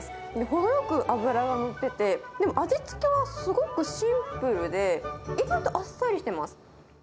程よく脂が乗ってて、でも味つけはすごくシンプルで、意外とあっさりしてます。